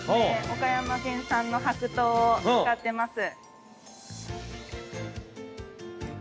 岡山県産の白桃を使ってます。